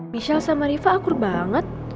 michelle sama riva akur banget